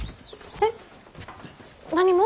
えっ？何も？